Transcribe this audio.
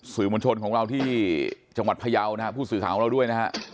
สื่อมวลชนของเราที่จังหวัดพยาวนะฮะผู้สื่อข่าวของเราด้วยนะฮะ